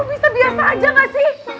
bisa biasa aja gak sih